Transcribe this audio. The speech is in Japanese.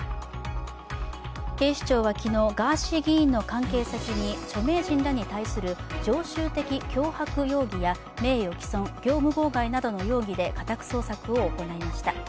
警視庁は昨日、ガーシー議員の関係先に著名人らに対する常習的脅迫容疑や、名誉毀損、業務妨害などの容疑で家宅捜索を行いました。